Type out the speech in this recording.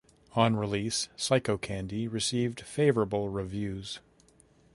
On release "Psychocandy" received favourable reviews.